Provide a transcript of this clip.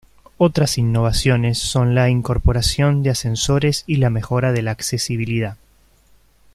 Otras innovaciones son la incorporación de ascensores y la mejora de la accesibilidad.